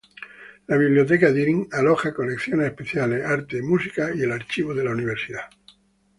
La biblioteca Deering aloja colecciones especiales, arte, música y el archivo de la universidad.